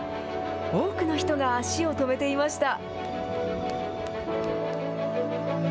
多くの人が足を止めていました。